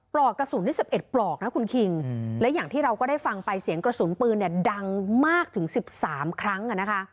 ปลอกกระสุนที่๑๑ปลอกนะคุณคิงและอย่างที่เราก็ได้ฟังไปเสียงกระสุนปืนดังมากถึง๑๓ครั้ง